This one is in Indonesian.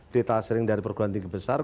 data sharing dari perguruan tinggi besar